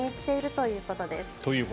ということです。